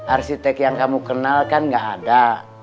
arsitek yang kamu kenal kan gak ada